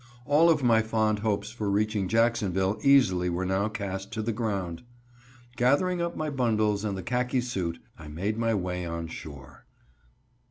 All of my fond hopes of reaching Jacksonville easily were now cast to the ground. Gathering up my bundles and the khaki suit, I made my way on shore.